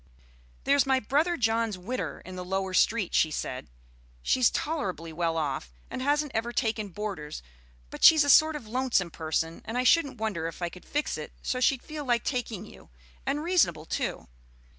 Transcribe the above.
"There's my brother John's widder in the lower street," she said. "She's tolerably well off, and hasn't ever taken boarders; but she's a sort of lonesome person, and I shouldn't wonder if I could fix it so she'd feel like taking you, and reasonable too.